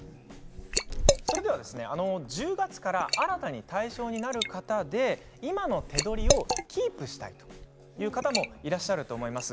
それでは１０月から新たに対象となる方で今の手取りをキープしたいという方もいらっしゃると思います。